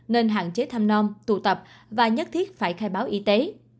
nên hạn chế thăm non tụ tập và nhất thiết phải khai báo y tế